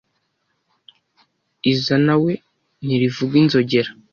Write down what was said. Izinawe ntirivuga inzogera.